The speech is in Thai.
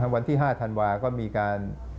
วันที่๕ธันวาก็มีการ